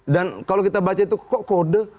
dan kalau kita baca itu kok kode